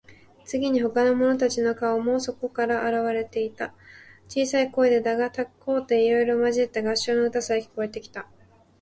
次に、ほかの者たちの顔もそこから現われた。小さい声でだが、高低いろいろまじった合唱の歌さえ、聞こえてきた。